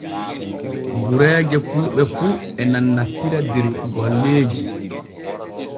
Gureeje fulɓe fu e nannantira der golleeji.